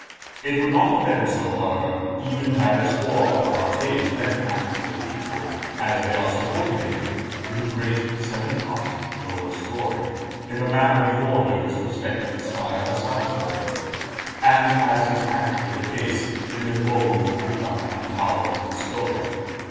It would not have been so, however, even had its four upper arcades been actually equal; as they are subordinated to the great seven arched lower story, in the manner before noticed respecting the spire of Salisbury, and as is actually the case in the Duomo of Lucca and Tower of Pistoja.